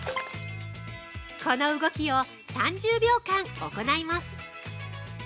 ◆この動きを３０秒間行います。